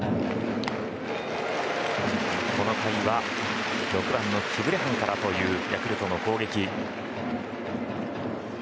この回は、６番のキブレハンからというヤクルトの攻撃。